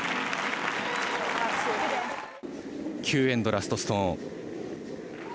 ９エンドラストストーン。